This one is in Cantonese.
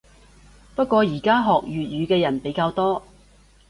不過依家學粵語嘅人比較多